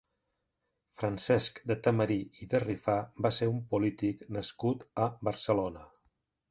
Francesc de Tamarit i de Rifà va ser un polític nascut a Barcelona.